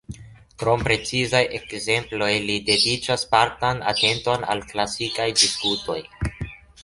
Krom precizaj ekzemploj, li dediĉas partan atenton al klasikaj diskutoj.